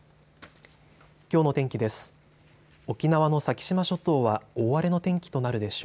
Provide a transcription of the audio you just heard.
きょうの天気です。